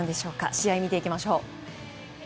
試合を見ていきましょう。